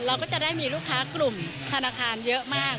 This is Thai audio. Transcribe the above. เราก็จะได้มีลูกค้ากลุ่มธนาคารเยอะมาก